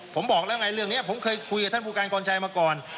ผมบอกเรื่องล่ะไงเรื่องนี้ผมเคยคุยกับท่านภูการกรณ์กรณ์ชัยมาก่อน